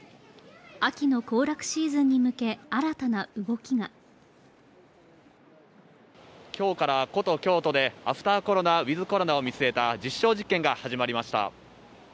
秋の行楽シーズンに向け、新たな動きが今日から古都・京都でアフター・コロナ、ウィズ・コロナを見据えた実証実験が始まりました。